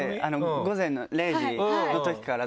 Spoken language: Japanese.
『午前０時』のときから。